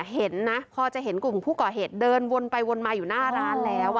เห็นนะพอจะเห็นกลุ่มผู้ก่อเหตุเดินวนไปวนมาอยู่หน้าร้านแล้ว